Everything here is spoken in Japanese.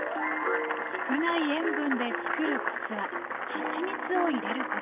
少ない塩分でつくるコツははちみつを入れること。